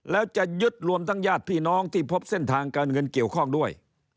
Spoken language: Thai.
แล้วจะยึดรวมทั้งญาติพี่น้องที่พบเส้นทางการเงินเกี่ยวข้องด้วย